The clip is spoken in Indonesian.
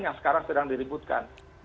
yang sekarang sedang diributkan